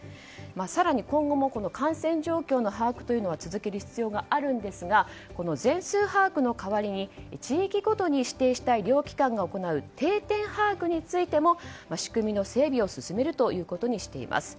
更に今後も感染状況の把握は続ける必要があるんですがこの全数把握の代わりに地域ごとに指定した医療機関が行う定点把握についても仕組みの整備を進めるということにしています。